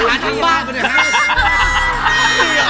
หาทั้งบ้านไปด้วยครับ